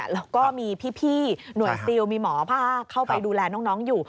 แล้วก็มีพี่หน่วยซิลมีหมอภาคเข้าไปดูแลน้องอยู่